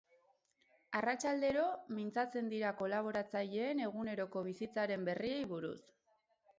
Arratsaldero mintzatzen dira kolaboratzaileen eguneroko bizitzaren berriei buruz.